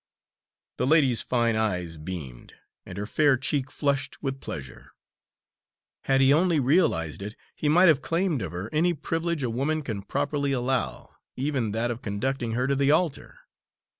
The lady's fine eyes beamed, and her fair cheek flushed with pleasure. Had he only realised it, he might have claimed of her any privilege a woman can properly allow, even that of conducting her to the altar.